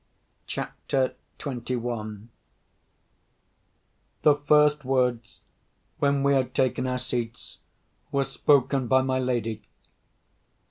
CHAPTER XXI The first words, when we had taken our seats, were spoken by my lady.